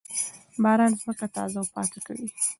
باران ځمکه تازه او پاکه کوي.